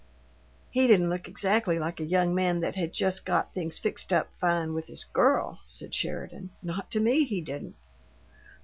"He didn't look exactly like a young man that had just got things fixed up fine with his girl," said Sheridan. "Not to me, he didn't!"